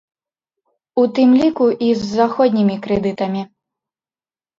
У тым ліку і з заходнімі крэдытамі.